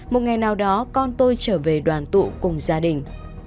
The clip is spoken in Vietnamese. một ngày nào đó con tôi trở về đoàn tụ cùng gia đình